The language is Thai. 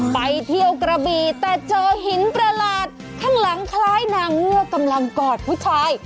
ไปเที่ยวกระบีแต่เจอหินประหลาดข้างหลังคล้ายนางเงือกกำลังกอดผู้ชาย